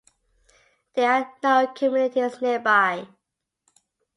There are no communities nearby.